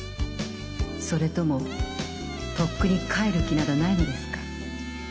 それともとっくに帰る気などないのですか？